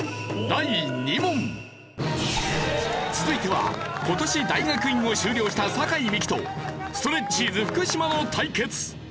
続いては今年大学院を修了した酒井美紀とストレッチーズ福島の対決。